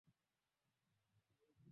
matambiko ni suala la kawaida kwa wachaga